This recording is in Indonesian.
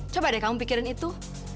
coba deh kamu pikirin itu